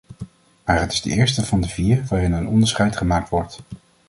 Maar het is de eerste van de vier waarin een onderscheid gemaakt wordt.